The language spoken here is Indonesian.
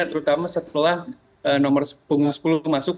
terutama setelah nomor sepuluh masuk